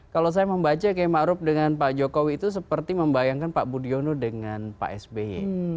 kalau saya membaca k ⁇ maruf ⁇ dengan pak jokowi itu seperti membayangkan pak budiono dengan pak sby